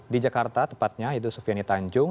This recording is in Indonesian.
di jakarta tepatnya yaitu sufiani tanjung